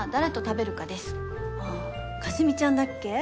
ああかすみちゃんだっけ？